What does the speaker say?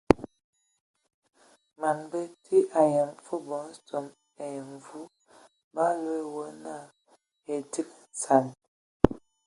Man bəti ayəm fəg bɔ nsom ai mvu ba loe wo na edigi nsan.